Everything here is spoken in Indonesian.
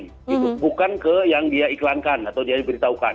itu bukan ke yang dia iklankan atau dia diberitahukan